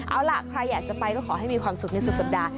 เอาล่ะใครอยากจะไปก็ขอให้มีความสุขในสุดสัปดาห์